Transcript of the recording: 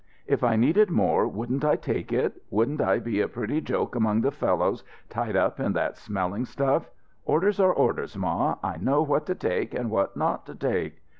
If I needed more, wouldn't I take it? Wouldn't I be a pretty joke among the fellows, tied up in that smelling stuff? Orders are orders, ma; I know what to take and what not to take."